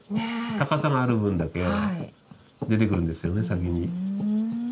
高さがある分だけ出てくるんですよね先に。